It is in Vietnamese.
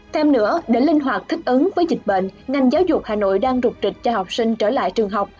thêm nữa để linh hoạt thích ứng với dịch bệnh ngành giáo dục hà nội đang rục rịch cho học sinh trở lại trường học